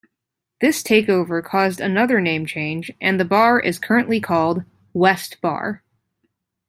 This takeover caused another name change and the bar is currently called 'West Bar'.